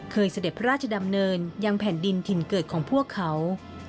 เสด็จพระราชดำเนินยังแผ่นดินถิ่นเกิดของพวกเขา